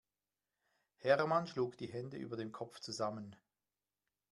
Hermann schlug die Hände über dem Kopf zusammen.